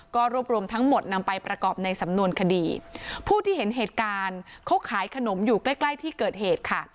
ก็รวบรวมทั้งหมดนำไปประกอบในสำนวนคดีผู้ที่เห็นเหตุการณ์เขาขายขนมอยู่ใกล้ใกล้ที่เกิดเหตุค่ะ